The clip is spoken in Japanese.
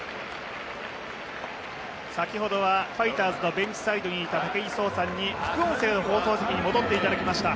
先ほどはファイターズのベンチサイドにいた武井壮さんに副音声の放送席に戻っていただきました。